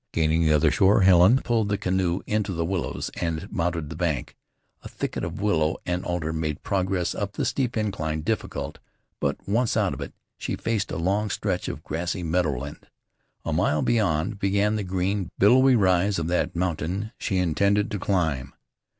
Gaining the other shore, Helen pulled the canoe into the willows, and mounted the bank. A thicket of willow and alder made progress up the steep incline difficult, but once out of it she faced a long stretch of grassy meadowland. A mile beyond began the green, billowy rise of that mountain which she intended to climb.